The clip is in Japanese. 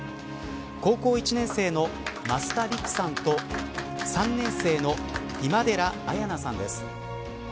高校１年生の増田陸さんと３年生の今寺彩南さんです。